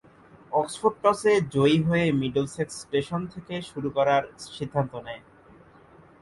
Oxford টসে জয়ী হয়ে মিডলসেক্স স্টেশন থেকে শুরু করার সিদ্ধান্ত নেয়।